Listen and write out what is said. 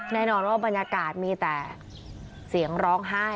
แน่นอนว่าบรรยากาศมีแต่เสียงร้องไห้